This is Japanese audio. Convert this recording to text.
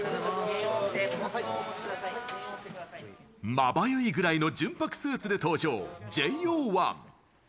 まばゆいぐらいの純白スーツで登場、ＪＯ１。